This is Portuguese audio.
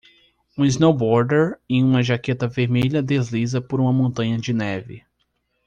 Um snowboarder em uma jaqueta vermelha desliza por uma montanha de neve.